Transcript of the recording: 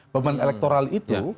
beban elektoral itu